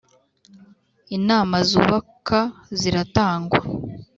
inama zubaka ziratangwa,